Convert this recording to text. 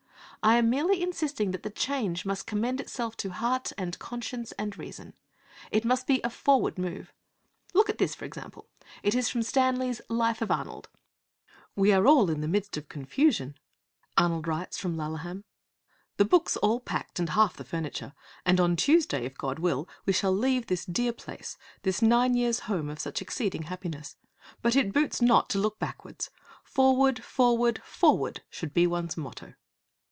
I am merely insisting that the change must commend itself to heart and conscience and reason. It must be a forward move. Look at this, for example. It is from Stanley's Life of Arnold: 'We are all in the midst of confusion,' Arnold writes from Laleham, 'the books all packed and half the furniture; and on Tuesday, if God will, we shall leave this dear place, this nine years' home of such exceeding happiness. But it boots not to look backwards. Forward, forward, forward, should be one's motto.'